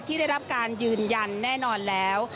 ได้รับการยืนยันแน่นอนแล้ว